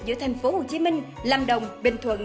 giữa thành phố hồ chí minh lâm đồng bình thuận